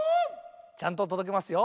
ちゃんととどけますよ。